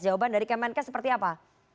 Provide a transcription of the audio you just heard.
jawaban dari kemenkes seperti apa